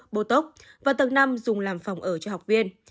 bô tốc và tầng năm dùng làm phòng ở cho học viên